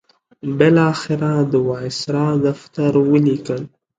بالاخره د وایسرا دفتر ولیکل.